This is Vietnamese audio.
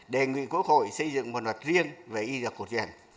đề nghị quốc hội xây dựng một luật riêng về y dược cổ truyền